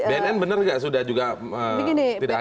bnn benar gak sudah juga tidak hadir juga